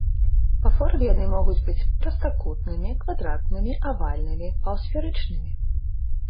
Па форме яны могуць быць прастакутнымі, квадратнымі, авальнымі, паўсферычнымі.